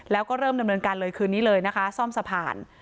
แล้วก็เริ่มดำเนินการเลยคืนนี้เลยนะคะซ่อมสะพาน